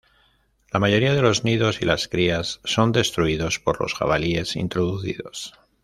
La mayoría de los nidos y las crías son destruidos por los jabalíes introducidos.